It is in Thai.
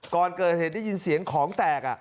ก่อนเกิดเหตุได้ยินเสียงของแตก